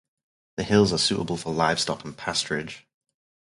The hills are suitable for livestock and pasturage.